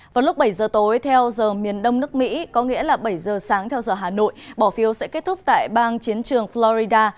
vào lúc bảy giờ tối theo giờ miền đông nước mỹ có nghĩa là bảy giờ sáng theo giờ hà nội bỏ phiếu sẽ kết thúc tại bang chiến trường florida